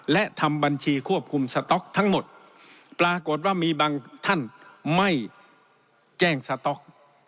และทำบัญชีควบคุมสต๊อกทั้งหมดปรากฏว่ามีบางท่านไม่แจ้งสต๊อก